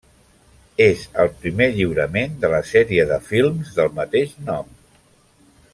És el primer lliurament de la sèrie de films del mateix nom.